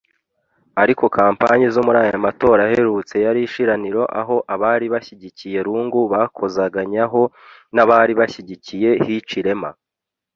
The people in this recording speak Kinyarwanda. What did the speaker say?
Ariko kampanye zo muri aya matora aherutse yari ishiraniro aho abari bashyigikiye Lungu bakozaganyaho n’abari bashyigikiye Hichilema